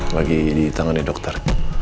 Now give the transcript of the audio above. lagi di tangan dokter